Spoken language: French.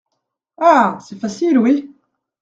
Ah ! c’est facile, oui !